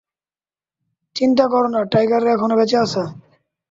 চিন্তা করো না, টাইগার এখনো বেঁচে আছে।